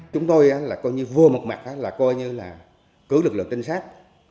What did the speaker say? chúng tôi là coi như vua một mặt là coi như là cứu lực lượng trinh sát